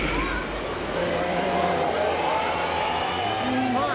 うまい。